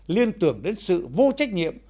liên tưởng đến sự vô trách nhiệm